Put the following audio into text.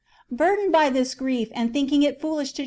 209 Burdened by this grief, and thinking it foolish to chap.